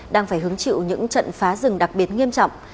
đang phải hứng chịu những trận phá rừng đặc biệt nghiêm trọng